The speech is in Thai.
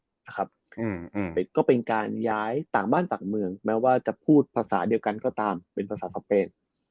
แต่ก็เป็นการย้ายต่างบ้านต่างเมืองแม้ว่าจะพูดภาษาเดียวกันก็ตามเป็นภาษาสเปน